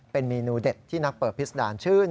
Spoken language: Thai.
เป็นเมนูเด็ดที่นักเปิดพิษดารชื่น